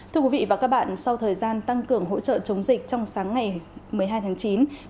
thưa quý vị và các bạn sau thời gian tăng cường hỗ trợ chống dịch trong sáng ngày một mươi hai tháng chín